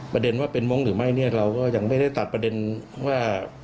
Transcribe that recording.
ประเด็นว่าเป็นมงค์หรือไม่เนี่ยเราก็ยังไม่ได้ตัดประเด็นว่า